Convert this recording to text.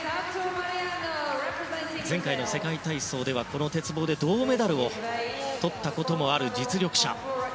前回の世界体操ではこの鉄棒で銅メダルをとったこともある実力者。